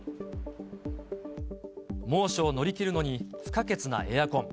猛暑を乗り切るのに不可欠なエアコン。